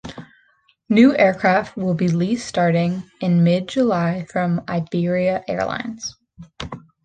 New aircraft will be leased starting in mid-July from Iberia Airlines.